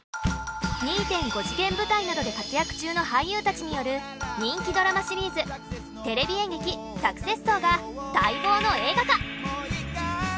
２．５次元舞台などで活躍中の俳優たちによる人気ドラマシリーズ『テレビ演劇サクセス荘』が待望の映画化。